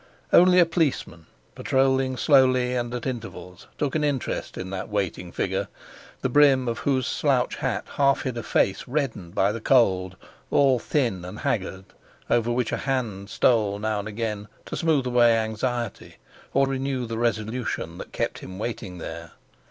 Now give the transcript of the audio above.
Only a policeman, patrolling slowly and at intervals, took an interest in that waiting figure, the brim of whose slouch hat half hid a face reddened by the cold, all thin, and haggard, over which a hand stole now and again to smooth away anxiety, or renew the resolution that kept him waiting there.